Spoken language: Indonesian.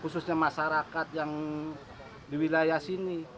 khususnya masyarakat yang di wilayah sini